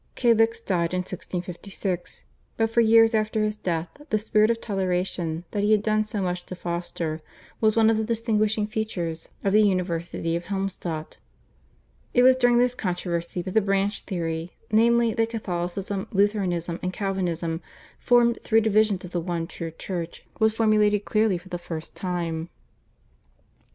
Calixt died in 1656, but for years after his death the spirit of toleration, that he had done so much to foster, was one of the distinguishing features of the University of Helmstadt. It was during this controversy that the Branch Theory, namely, that Catholicism, Lutheranism, and Calvinism formed three divisions of the one true Church, was formulated clearly for the first time.